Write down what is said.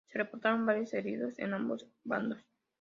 Se reportaron varios heridos en ambos bandos.